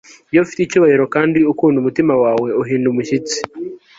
iyo ufite icyubahiro kandi ukunda umutima wawe uhinda umushyitsi